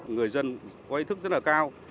người dân có ý thức rất là cao